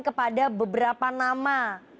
kepada beberapa nama